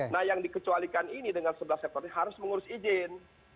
nah yang dikecualikan ini dengan sebelas sektor ini harus mengurus izin